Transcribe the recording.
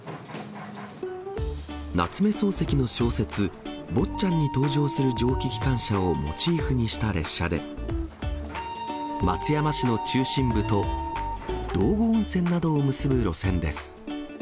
夏目漱石の小説、坊っちゃんに登場する蒸気機関車をモチーフにした列車で、松山市の中心部と道後温泉などを結ぶ路線です。